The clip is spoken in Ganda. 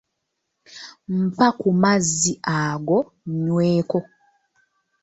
Mpa ku mazzi ago nyweko.